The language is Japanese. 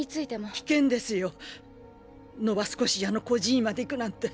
危険ですよノバスコシアの孤児院まで行くなんて。